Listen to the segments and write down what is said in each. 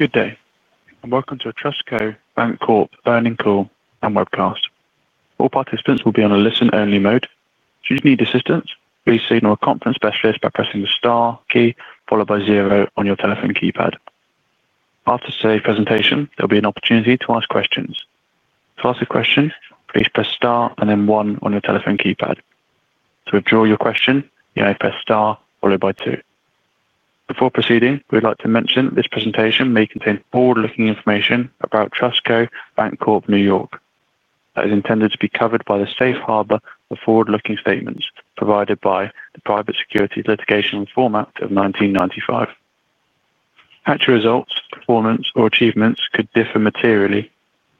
Good day and welcome to a TrustCo Bank Corp earnings call and webcast. All participants will be on a listen-only mode. Should you need assistance, please signal a conference specialist by pressing the star key followed by zero on your telephone keypad. After today's presentation, there'll be an opportunity to ask questions. To ask a question, please press star and then one on your telephone keypad. To withdraw your question, you may press star followed by two. Before proceeding, we'd like to mention that this presentation may contain forward-looking information about TrustCo Bank Corp New York that is intended to be covered by the safe harbor of forward-looking statements provided by the Private Securities Litigation Reform Act of 1995. Actual results, performance, or achievements could differ materially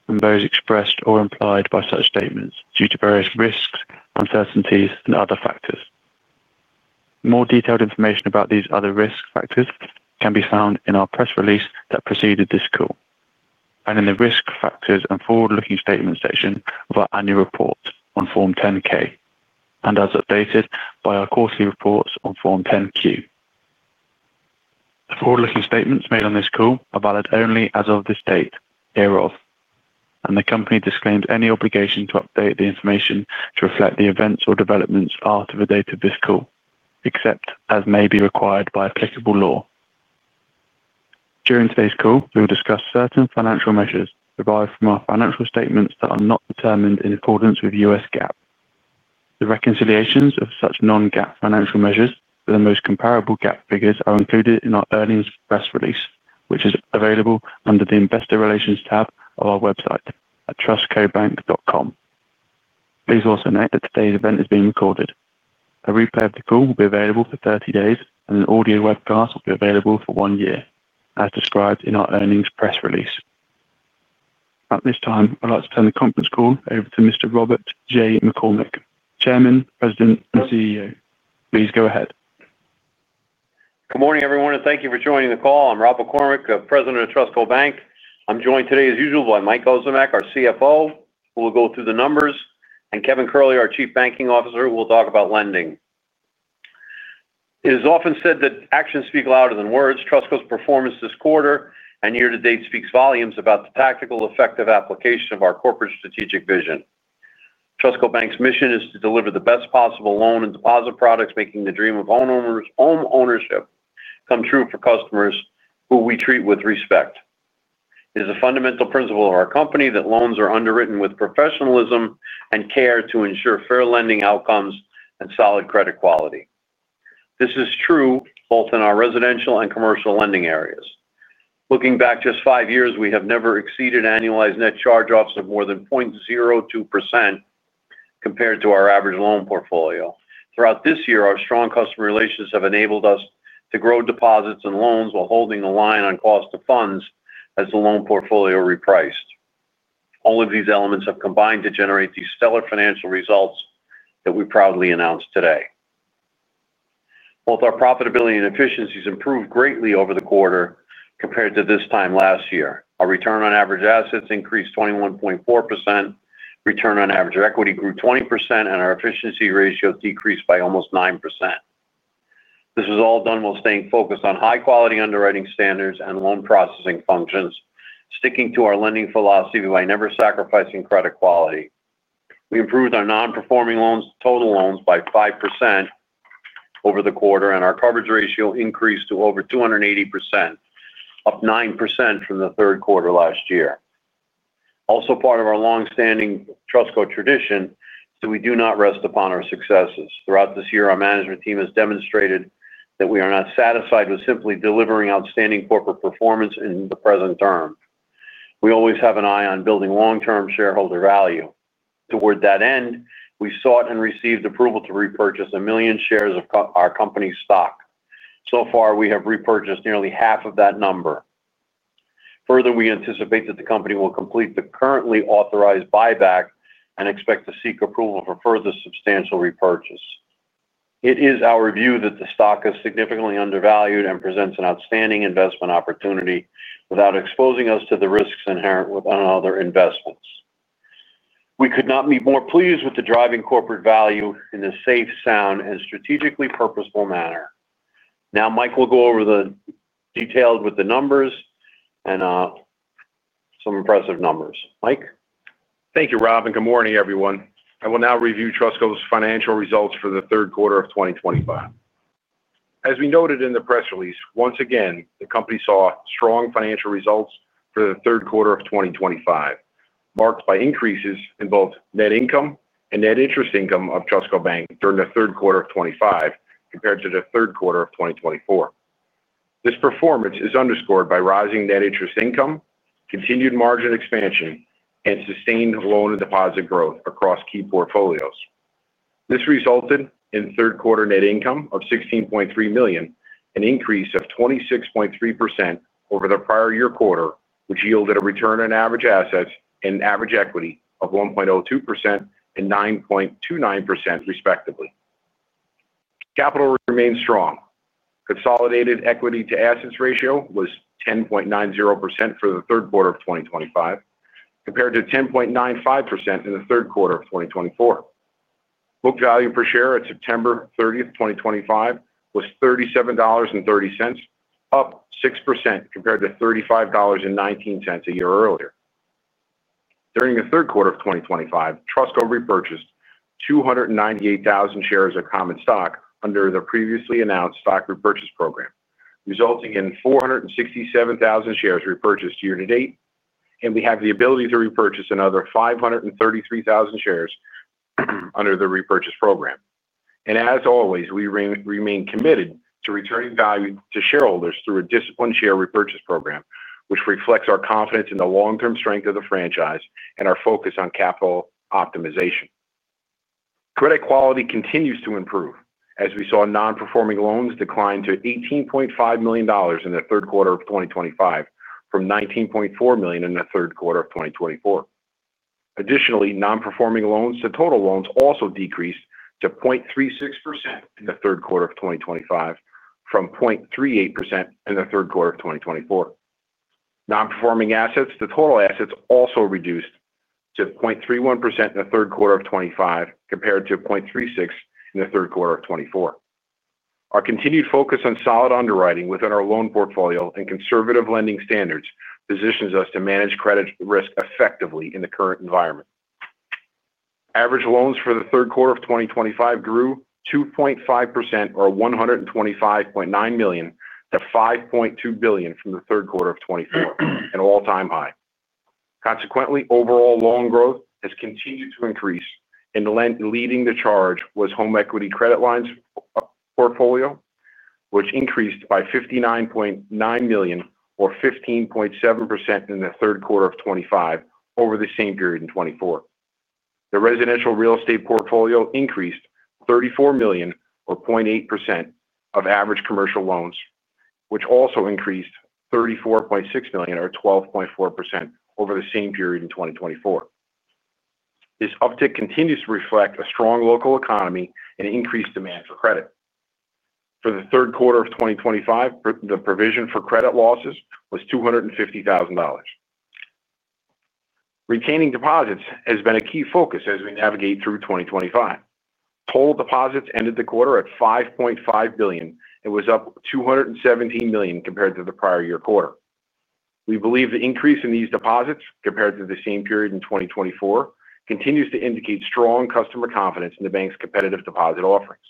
from those expressed or implied by such statements due to various risks, uncertainties, and other factors. More detailed information about these other risk factors can be found in our press release that preceded this call and in the risk factors and forward-looking statements section of our annual report on Form 10-K and as updated by our quarterly reports on Form 10-Q. The forward-looking statements made on this call are valid only as of this date hereof, and the company disclaims any obligation to update the information to reflect the events or developments after the date of this call, except as may be required by applicable law. During today's call, we will discuss certain financial measures derived from our financial statements that are not determined in accordance with U.S. GAAP. The reconciliations of such non-GAAP financial measures with the most comparable GAAP figures are included in our earnings press release, which is available under the investor relations tab of our website at trustcobank.com. Please also note that today's event is being recorded. A replay of the call will be available for 30 days, and an audio webcast will be available for one year, as described in our earnings press release. At this time, I'd like to turn the conference call over to Mr. Robert J. McCormick, Chairman, President, and CEO. Please go ahead. Good morning, everyone, and thank you for joining the call. I'm Robert McCormick, President of TrustCo Bank Corp NY. I'm joined today, as usual, by Michael Ozimek, our CFO, who will go through the numbers, and Kevin Curley, our Chief Banking Officer, who will talk about lending. It is often said that actions speak louder than words. TrustCo's performance this quarter and year to date speaks volumes about the tactical, effective application of our corporate strategic vision. TrustCo Bank's mission is to deliver the best possible loan and deposit products, making the dream of home ownership come true for customers who we treat with respect. It is a fundamental principle of our company that loans are underwritten with professionalism and care to ensure fair lending outcomes and solid credit quality. This is true both in our residential and commercial lending areas. Looking back just five years, we have never exceeded annualized net charge-offs of more than 0.02% compared to our average loan portfolio. Throughout this year, our strong customer relations have enabled us to grow deposits and loans while holding a line on cost of funds as the loan portfolio repriced. All of these elements have combined to generate these stellar financial results that we proudly announce today. Both our profitability and efficiencies improved greatly over the quarter compared to this time last year. Our return on average assets increased 21.4%, return on average equity grew 20%, and our efficiency ratio decreased by almost 9%. This was all done while staying focused on high-quality underwriting standards and loan processing functions, sticking to our lending philosophy by never sacrificing credit quality. We improved our non-performing loans' total loans by 5% over the quarter, and our coverage ratio increased to over 280%, up 9% from the third quarter last year. Also, part of our long-standing TrustCo tradition is that we do not rest upon our successes. Throughout this year, our management team has demonstrated that we are not satisfied with simply delivering outstanding corporate performance in the present term. We always have an eye on building long-term shareholder value. Toward that end, we sought and received approval to repurchase a million shares of our company's stock. So far, we have repurchased nearly half of that number. Further, we anticipate that the company will complete the currently authorized buyback and expect to seek approval for further substantial repurchase. It is our view that the stock is significantly undervalued and presents an outstanding investment opportunity without exposing us to the risks inherent with other investments. We could not be more pleased with the driving corporate value in a safe, sound, and strategically purposeful manner. Now, Mike will go over the details with the numbers and some impressive numbers. Mike? Thank you, Rob, and good morning, everyone. I will now review TrustCo's financial results for the third quarter of 2025. As we noted in the press release, once again, the company saw strong financial results for the third quarter of 2025, marked by increases in both net income and net interest income of TrustCo Bank during the third quarter of 2025 compared to the third quarter of 2024. This performance is underscored by rising net interest income, continued margin expansion, and sustained loan and deposit growth across key portfolios. This resulted in third-quarter net income of $16.3 million, an increase of 26.3% over the prior year quarter, which yielded a return on average assets and average equity of 1.02% and 9.29%, respectively. Capital remains strong. Consolidated equity-to-assets ratio was 10.90% for the third quarter of 2025 compared to 10.95% in the third quarter of 2024. Book value per share at September 30th 2025, was $37.30, up 6% compared to $35.19 a year earlier. During the third quarter of 2025, TrustCo repurchased 298,000 shares of common stock under the previously announced share repurchase program, resulting in 467,000 shares repurchased year to date, and we have the ability to repurchase another 533,000 shares under the repurchase program. We remain committed to returning value to shareholders through a disciplined share repurchase program, which reflects our confidence in the long-term strength of the franchise and our focus on capital optimization. Credit quality continues to improve as we saw non-performing loans decline to $18.5 million in the third quarter of 2025 from $19.4 million in the third quarter of 2024. Additionally, non-performing loans to total loans also decreased to 0.36% in the third quarter of 2025 from 0.38% in the third quarter of 2024. Non-performing assets to total assets also reduced to 0.31% in the third quarter of 2025 compared to 0.36% in the third quarter of 2024. Our continued focus on solid underwriting within our loan portfolio and conservative lending standards positions us to manage credit risk effectively in the current environment. Average loans for the third quarter of 2025 grew 2.5% or $125.9 million to $5.2 billion from the third quarter of 2024, an all-time high. Consequently, overall loan growth has continued to increase, and the lending leading the charge was home equity loans portfolio, which increased by $59.9 million or 15.7% in the third quarter of 2025 over the same period in 2024. The residential real estate portfolio increased $34 million or 0.8%. Average commercial loans also increased $34.6 million or 12.4% over the same period in 2024. This uptick continues to reflect a strong local economy and increased demand for credit. For the third quarter of 2025, the provision for credit losses was $250,000. Retaining deposits has been a key focus as we navigate through 2025. Total deposits ended the quarter at $5.5 billion and was up $217 million compared to the prior year quarter. We believe the increase in these deposits compared to the same period in 2024 continues to indicate strong customer confidence in the bank's competitive deposit offerings.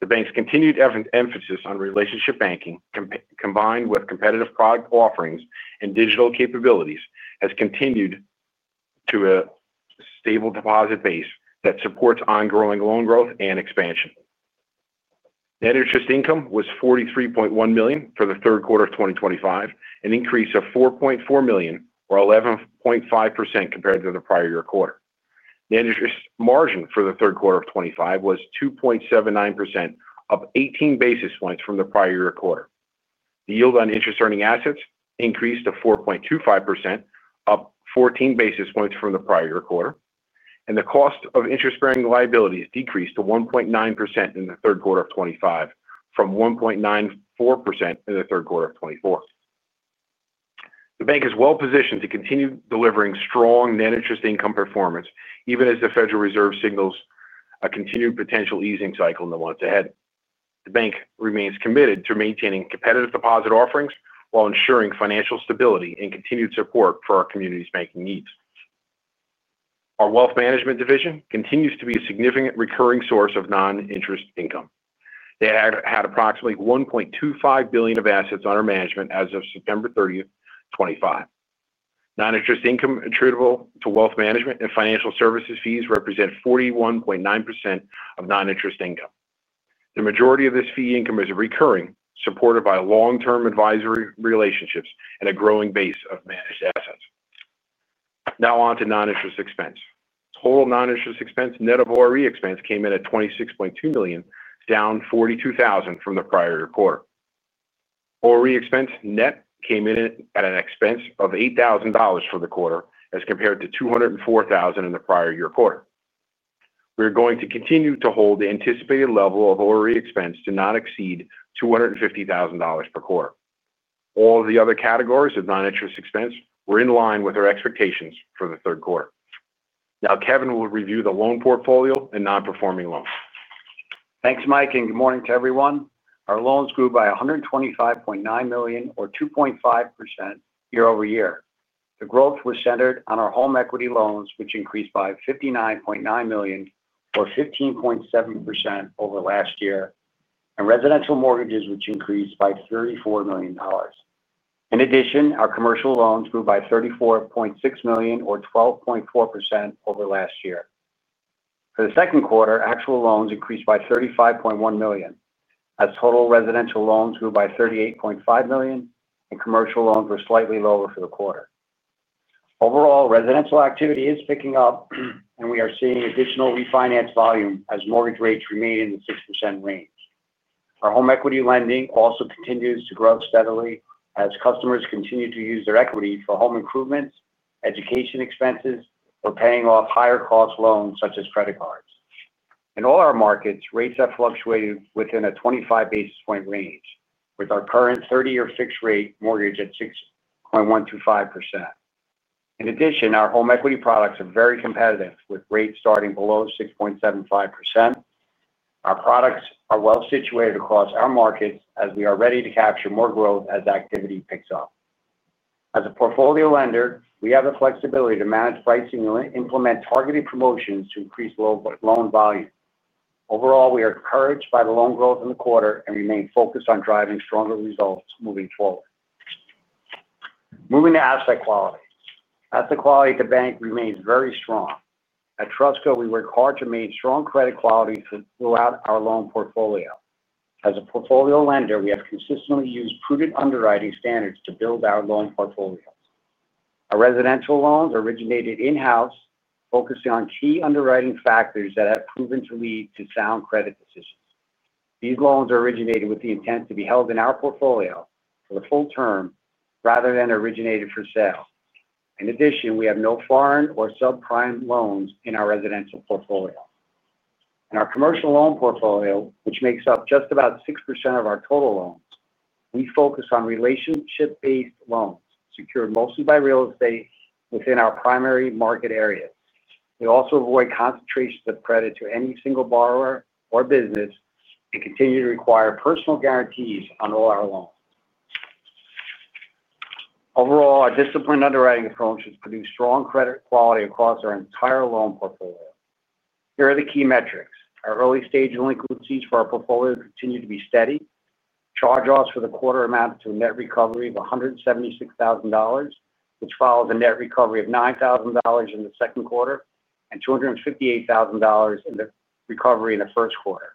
The bank's continued emphasis on relationship banking combined with competitive product offerings and digital capabilities has continued to a stable deposit base that supports ongoing loan growth and expansion. Net interest income was $43.1 million for the third quarter of 2025, an increase of $4.4 million or 11.5% compared to the prior year quarter. Net interest margin for the third quarter of 2025 was 2.79%, up 18 basis points from the prior year quarter. The yield on interest-earning assets increased to 4.25%, up 14 basis points from the prior year quarter, and the cost of interest-bearing liabilities decreased to 1.9% in the third quarter of 2025 from 1.94% in the third quarter of 2024. The bank is well-positioned to continue delivering strong net interest income performance even as the Federal Reserve signals a continued potential easing cycle in the months ahead. The bank remains committed to maintaining competitive deposit offerings while ensuring financial stability and continued support for our community's banking needs. Our wealth management division continues to be a significant recurring source of non-interest income. They had approximately $1.25 billion of assets under management as of September 30, 2025. Non-interest income attributable to wealth management and financial services fees represent 41.9% of non-interest income. The majority of this fee income is recurring, supported by long-term advisory relationships and a growing base of managed assets. Now on to non-interest expense. Total non-interest expense net of ORE expense came in at $26.2 million, down $42,000 from the prior year quarter. ORE expense net came in at an expense of $8,000 for the quarter as compared to $204,000 in the prior year quarter. We're going to continue to hold the anticipated level of ORE expense to not exceed $250,000 per quarter. All of the other categories of non-interest expense were in line with our expectations for the third quarter. Now, Kevin will review the loan portfolio and non-performing loans. Thanks, Mike, and good morning to everyone. Our loans grew by $125.9 million or 2.5% year-over-year. The growth was centered on our home equity loans, which increased by $59.9 million or 15.7% over last year, and residential mortgages, which increased by $34 million. In addition, our commercial loans grew by $34.6 million or 12.4% over last year. For the second quarter, actual loans increased by $35.1 million as total residential loans grew by $38.5 million, and commercial loans were slightly lower for the quarter. Overall, residential activity is picking up, and we are seeing additional refinance volume as mortgage rates remain in the 6% range. Our home equity lending also continues to grow steadily as customers continue to use their equity for home improvements, education expenses, or paying off higher-cost loans such as credit cards. In all our markets, rates have fluctuated within a 25 basis point range, with our current 30-year fixed-rate mortgage at 6.125%. In addition, our home equity products are very competitive, with rates starting below 6.75%. Our products are well situated across our markets as we are ready to capture more growth as activity picks up. As a portfolio lender, we have the flexibility to manage pricing and implement targeted promotions to increase loan volume. Overall, we are encouraged by the loan growth in the quarter and remain focused on driving stronger results moving forward. Moving to asset quality, asset quality at the bank remains very strong. At TrustCo, we work hard to maintain strong credit quality throughout our loan portfolio. As a portfolio lender, we have consistently used prudent underwriting standards to build our loan portfolio. Our residential loans originated in-house, focusing on key underwriting factors that have proven to lead to sound credit decisions. These loans originated with the intent to be held in our portfolio for the full term rather than originated for sale. In addition, we have no foreign or subprime loans in our residential portfolio. In our commercial loan portfolio, which makes up just about 6% of our total loans, we focus on relationship-based loans secured mostly by real estate within our primary market areas. We also avoid concentrations of credit to any single borrower or business and continue to require personal guarantees on all our loans. Overall, our disciplined underwriting approach has produced strong credit quality across our entire loan portfolio. Here are the key metrics. Our early-stage delinquencies for our portfolio continue to be steady. Charge-offs for the quarter amount to a net recovery of $176,000, which follows a net recovery of $9,000 in the second quarter and $258,000 in the recovery in the first quarter,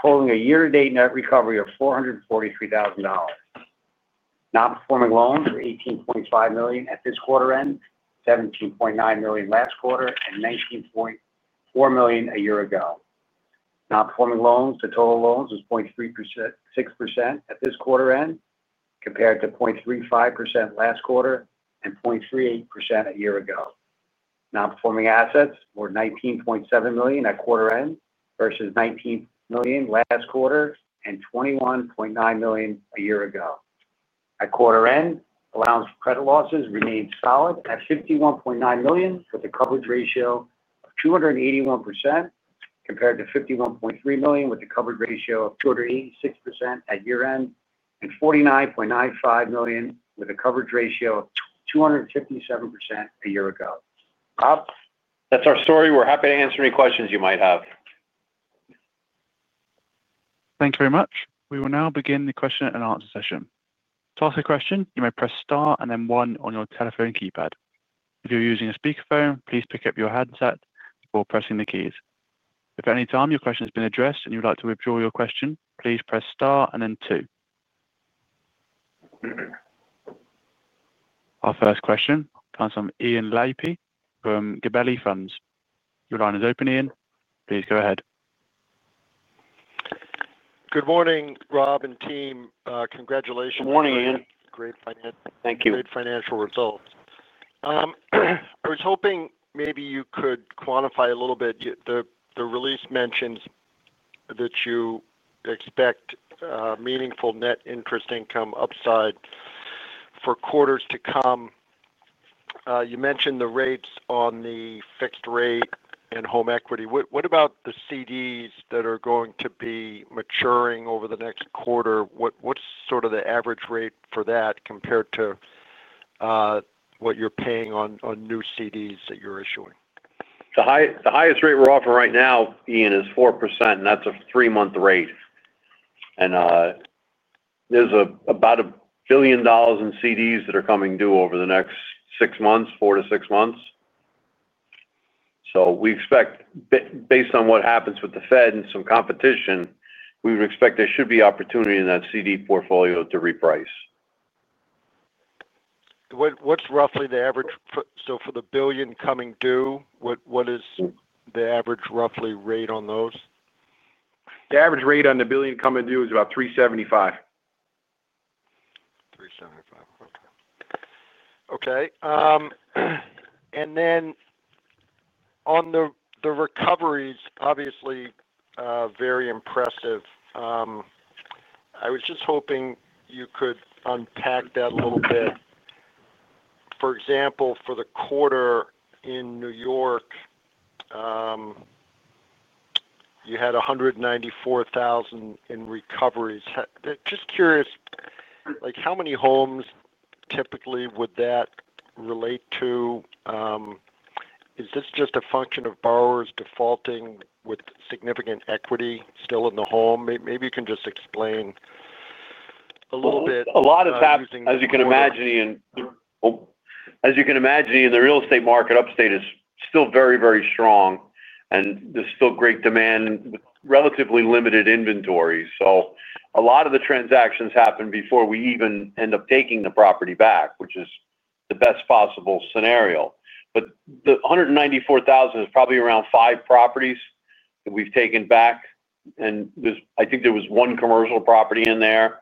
totaling a year-to-date net recovery of $443,000. Non-performing loans were $18.5 million at this quarter end, $17.9 million last quarter, and $19.4 million a year ago. Non-performing loans to total loans was 0.36% at this quarter end compared to 0.35% last quarter and 0.38% a year ago. Non-performing assets were $19.7 million at quarter end versus $19 million last quarter and $21.9 million a year ago. At quarter end, allowance for credit losses remains solid at $51.9 million with a coverage ratio of 281% compared to $51.3 million with a coverage ratio of 286% at year end and $49.95 million with a coverage ratio of 257% a year ago. Bob, that's our story. We're happy to answer any questions you might have. Thank you very much. We will now begin the question and answer session. To ask a question, you may press star and then one on your telephone keypad. If you're using a speakerphone, please pick up your headset before pressing the keys. If at any time your question has been addressed and you would like to withdraw your question, please press star and then two. Our first question comes from Ian Lapey from Gabelli Funds. Your line is open, Ian. Please go ahead. Good morning, Rob and team. Congratulations. Morning, Ian. Great financial results. Thank you. Great financial results. I was hoping maybe you could quantify a little bit. The release mentions that you expect meaningful net interest income upside for quarters to come. You mentioned the rates on the fixed rate and home equity. What about the CDs that are going to be maturing over the next quarter? What's sort of the average rate for that compared to what you're paying on new CDs that you're issuing? The highest rate we're offering right now, Ian, is 4%, and that's a three-month rate. There's about $1 billion in CDs that are coming due over the next six months, four to six months. We expect, based on what happens with the Fed and some competition, there should be opportunity in that certificates of deposit portfolio to reprice. What's roughly the average? For the billion coming due, what is the average roughly rate on those? The average rate on the $1 billion coming due is about 3.75%. Okay. Okay. On the recoveries, obviously, very impressive. I was just hoping you could unpack that a little bit. For example, for the quarter in New York, you had $194,000 in recoveries. Just curious, how many homes typically would that relate to? Is this just a function of borrowers defaulting with significant equity still in the home? Maybe you can just explain a little bit using the. A lot of that, as you can imagine, Ian, the real estate market upstate is still very, very strong, and there's still great demand with relatively limited inventory. A lot of the transactions happen before we even end up taking the property back, which is the best possible scenario. The $194,000 is probably around five properties that we've taken back, and I think there was one commercial property in there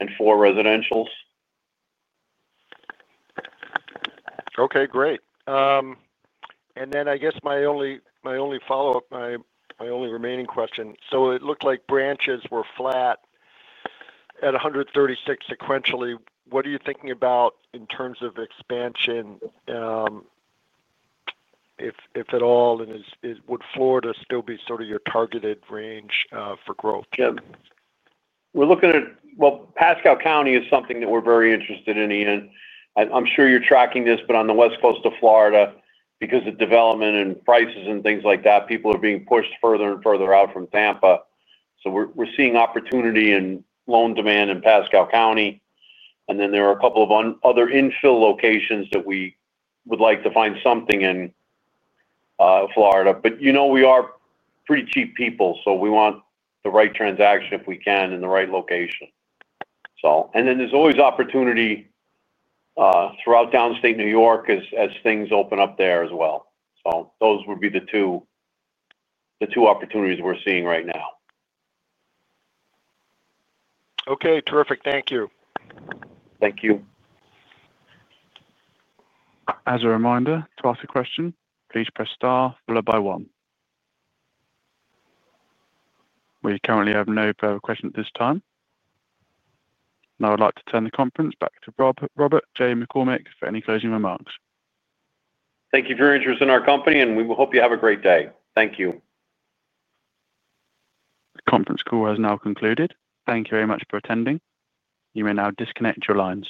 and four residentials. Okay. Great. I guess my only follow-up, my only remaining question, it looked like branches were flat at 136 sequentially. What are you thinking about in terms of expansion, if at all? Would Florida still be sort of your targeted range for growth? Kim, we're looking at Pasco County, which is something that we're very interested in, Ian. I'm sure you're tracking this, but on the West Coast of Florida, because of development and prices and things like that, people are being pushed further and further out from Tampa. We're seeing opportunity in loan demand in Pasco County. There are a couple of other infill locations that we would like to find something in, Florida. You know we are pretty cheap people, so we want the right transaction if we can in the right location. There's always opportunity throughout downstate New York as things open up there as well. Those would be the two opportunities we're seeing right now. Okay. Terrific. Thank you. Thank you. As a reminder, to ask a question, please press star followed by one. We currently have no further questions at this time. I would like to turn the conference back to Robert J. McCormick for any closing remarks. Thank you for your interest in our company, and we hope you have a great day. Thank you. The conference call has now concluded. Thank you very much for attending. You may now disconnect your lines.